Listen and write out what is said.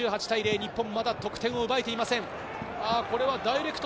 日本、まだ得点を奪えていません。